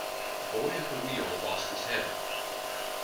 The boy at the wheel lost his head.